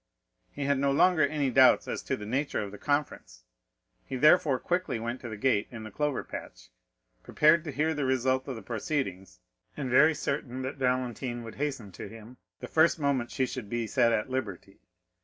He had no longer any doubts as to the nature of the conference; he therefore quickly went to the gate in the clover patch, prepared to hear the result of the proceedings, and very certain that Valentine would hasten to him the first moment she should be set at liberty.